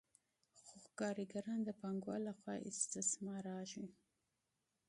خو کارګران د پانګوال له خوا استثمارېږي